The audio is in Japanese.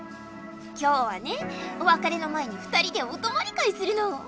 今日はねおわかれの前に２人でおとまり会するの！